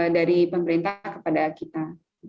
dari pemerintah kepada kita